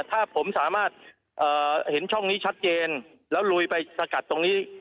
ถ้าผมสามารถเห็นช่องนี้ชัดเจนแล้วลุยไปสกัดตรงนี้